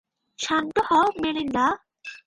শান্ত হও মেলিন্ডা।